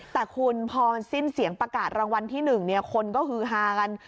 แต่คุณพอสิ้นเสียงประกาศรางวัลที่๑คนก็คือฮากัน